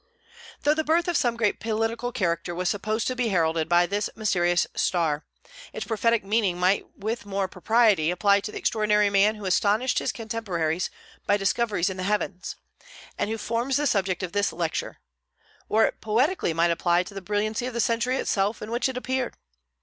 Though the birth of some great political character was supposed to be heralded by this mysterious star, its prophetic meaning might with more propriety apply to the extraordinary man who astonished his contemporaries by discoveries in the heavens, and who forms the subject of this lecture; or it poetically might apply to the brilliancy of the century itself in which it appeared.